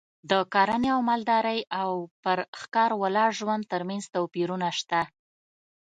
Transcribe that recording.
د کرنې او مالدارۍ او پر ښکار ولاړ ژوند ترمنځ توپیرونه شته